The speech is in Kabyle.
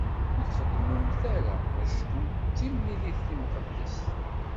Ur txeddmem ara acku d timlilit timqeddest.